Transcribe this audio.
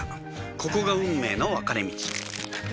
ここが運命の分かれ道